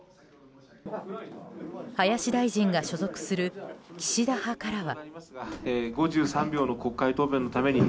林大臣が所属する岸田派からは。